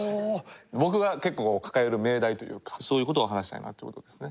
僕が結構抱える命題というかそういう事を話したいなって事ですね。